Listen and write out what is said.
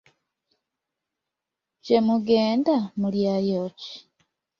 Gye mugenda mulyayo ki?